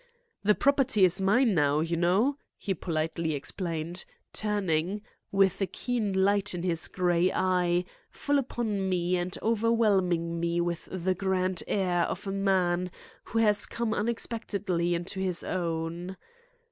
"The property is mine now, you know," he politely explained, turning, with a keen light in his gray eye, full upon me and overwhelming me with the grand air of a man who has come unexpectedly into his own.